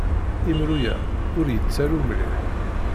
Imru-a ur yettaru mliḥ.